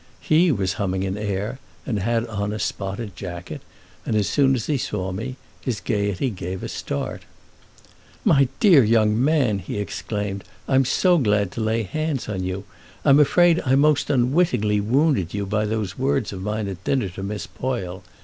He was humming an air and had on a spotted jacket, and as soon as he saw me his gaiety gave a start. "My dear young man," he exclaimed, "I'm so glad to lay hands on you! I'm afraid I most unwittingly wounded you by those words of mine at dinner to Miss Poyle.